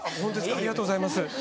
ありがとうございます。